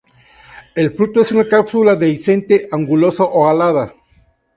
El fruto es una cápsula dehiscente, angulosa o alada.